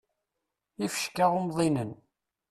Ifecka umḍinen.